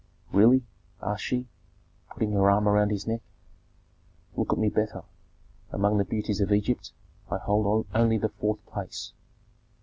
"Really?" asked she, putting her arm around his neck. "Look at me better. Among the beauties of Egypt I hold only the fourth place."